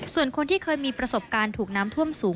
ส่วนคนที่เคยมีประสบการณ์ถูกน้ำท่วมสูง